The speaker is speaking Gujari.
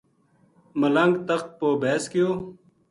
ملنگ تخت پو بیس گیو